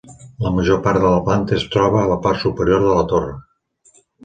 La major part de la planta es troba a la part superior de la torre.